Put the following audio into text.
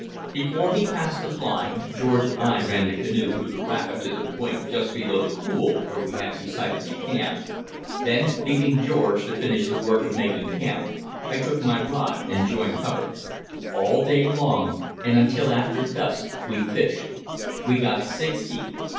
Before he cast the fly, George and I ran the canoe through the rapid to a point just below the pool where we had decided to camp. Then, leaving George to finish the work of making camp, I took my rod and joined Hubbard. All day long, and until after dusk, we fished. We got sixty.